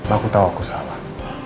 aku tau aku salah